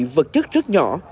vật chất rất nhỏ